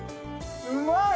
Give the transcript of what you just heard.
うまい！